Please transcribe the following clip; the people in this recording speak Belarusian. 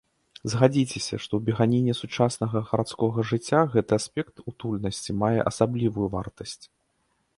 Згадзіцеся, што ў беганіне сучаснага гарадскога жыцця гэты аспект утульнасці мае асаблівую вартасць.